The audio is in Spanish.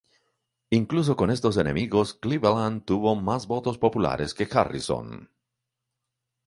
Incluso con estos enemigos, Cleveland tuvo más votos populares que Harrison.